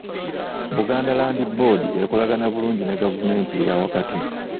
Buganda Land Board ekolagana bulungi ne gavumenti eya wakati.